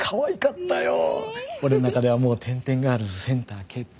俺の中ではもう天天ガールズセンター決定。